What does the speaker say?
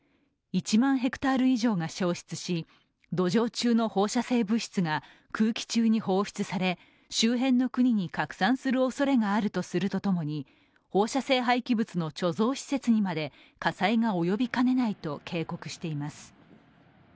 １万ヘクタール以上が焼失し、土壌中の放射性物質が空気中に放出され、周辺の国に拡散するおそれがあるとするとともに、放射性廃棄物の貯蔵施設にまで火災が及びかねないと警告しています。